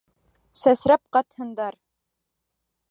Сәсрәп ҡатһындар!..